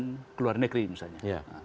pendidikan keluar negeri misalnya